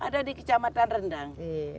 dan juga di kecamatan rendang